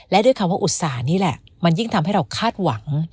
และด้วยคำว่าอุตส่าห์นี่แหละมันยิ่งทำให้เราคาดหวัง